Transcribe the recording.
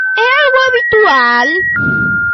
É algo habitual?